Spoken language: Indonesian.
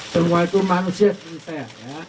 semua itu manusia menurut saya